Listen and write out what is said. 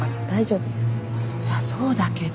そりゃそうだけど。